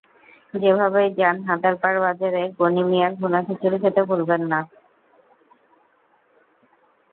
যেভাবেই যান হাদারপার বাজারে গনি মিয়ার ভুনা খিচুড়ি খেতে ভুলবেন না।